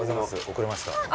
遅れました。